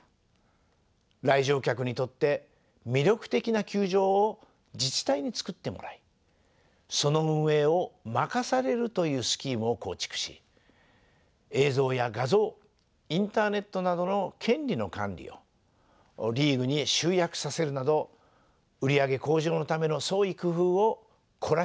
来場客にとって魅力的な球場を自治体につくってもらいその運営を任されるというスキームを構築し映像や画像インターネットなどの権利の管理をリーグに集約させるなど売り上げ向上のための創意工夫を凝らしてきました。